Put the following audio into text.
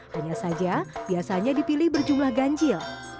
hanya saja biasanya dipilih berjumlah ganjil